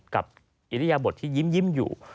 อิริยบทที่ยิ้มอยู่